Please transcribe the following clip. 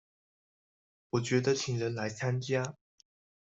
我覺得請人來參加